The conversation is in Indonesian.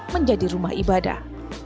menjadi rumah ibadah